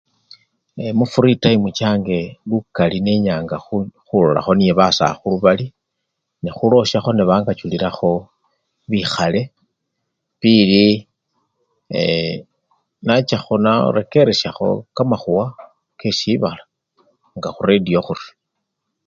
Eee mufrii tayimu change, lukali nenyanga khulolakho niye basakhulu bali nekhulosyakho nebangachulilakho bikhale pili ee! nachakho narekereshako kamakhuwa kesibala nga khuretiyo khuri.